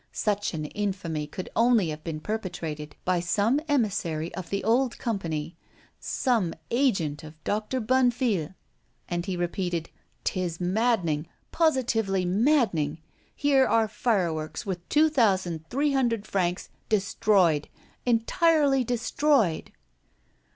Such an infamy could only have been perpetrated by some emissary of the old Company, some agent of Doctor Bonnefille! And he repeated: "'Tis maddening, positively maddening. Here are fireworks worth two thousand three hundred francs destroyed, entirely destroyed!"